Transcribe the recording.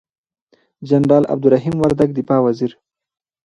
جنرال عبدالرحیم وردگ دفاع وزیر،